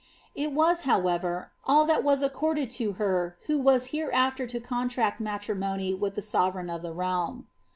It was, however, all that wn accorded to her who was hereafter to contract matrimony with llw sovereign of the realm.